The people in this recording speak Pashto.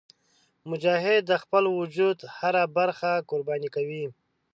مجاهد د خپل وجود هره برخه قرباني کوي.